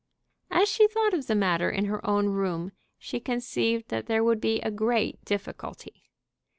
As she thought of the matter in her own room she conceived that there would be a great difficulty.